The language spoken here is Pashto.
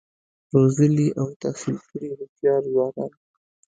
روزلي او تحصیل کړي هوښیار ځوانان